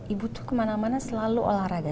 ibu tuh kemana mana selalu olahraga